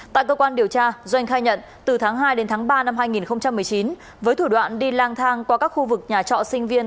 tại cơ quan điều tra doanh khai nhận từ tháng hai đến tháng ba năm hai nghìn một mươi chín với thủ đoạn đi lang thang qua các khu vực nhà trọ sinh viên